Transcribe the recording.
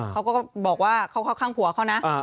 เขาก็บอกว่าเขาเข้าข้างผัวเขานะ